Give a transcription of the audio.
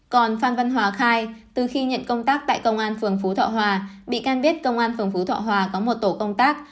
còn phan văn hòa khai từ khi nhận công tác tại công an phường phú thọ hòa bị can biết công an phường phú thọ hòa có một tổ công tác